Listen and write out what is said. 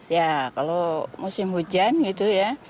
ya kalau musim hujan gitu ya